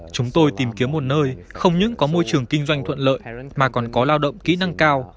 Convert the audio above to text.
chúng tôi tìm kiếm một nơi không những có môi trường kinh doanh thuận lợi mà còn có lao động kỹ năng cao